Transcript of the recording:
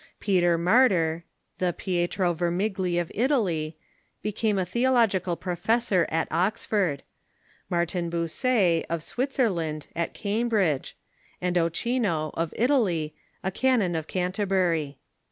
Peter INIartyr, the Pietro Vermigli of Italy, became a theological professor at Oxford ; Martin Bucer, of Switzerland, at Cambridge ; and Ochino, of Italy, a canon of Canterbury.